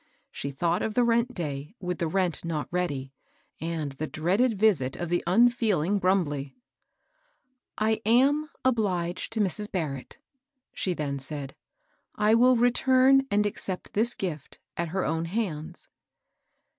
She thought of the rent day with the rent not ready, and the dreaded visit of the unfeeling Brumbley. I am obliged to Mrs. Barrett," she then said. " I will return and accept this gift at her own hands."